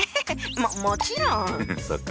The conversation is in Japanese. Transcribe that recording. もちろん。